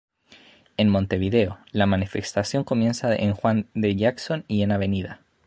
En Montevideo, la manifestación comienza en Juan D. Jackson y Av.